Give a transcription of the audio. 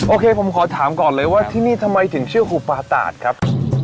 โอเคผมขอถามก่อนเลยว่าที่นี่ทำไมถึงเชื่อครูปาตาดครับ